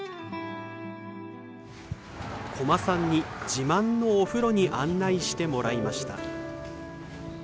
小間さんに自慢のお風呂に案内してもらいました。